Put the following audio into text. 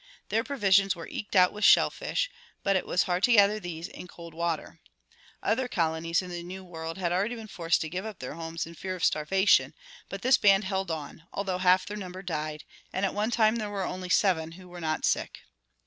Their provisions were eked out with shellfish, but it was hard to gather these in the cold water. Other colonies in the new world had already been forced to give up their homes in fear of starvation, but this band held on, although half their number died, and at one time there were only seven who were not sick.